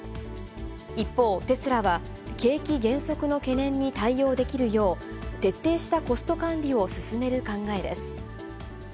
一方、テスラは、景気減速の懸念に対応できるよう、徹底したコスト管理を進める考えです。